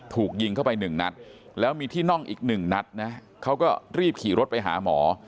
ถูกยิงเข้าไปหนึ่งนัดแล้วมีที่น่องอีกหนึ่งนัดนะเขาก็รีบขี่รถไปหาหมอ